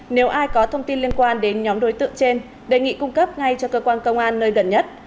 nếu ai có thông tin liên quan đến nhóm đối tượng trên đề nghị cung cấp ngay cho cơ quan công an nơi gần nhất